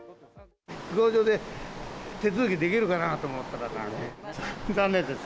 飛行場で手続きできるかなと思ったらだめ、残念です。